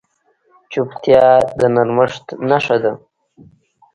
چوپتیا، د نرمښت نښه ده.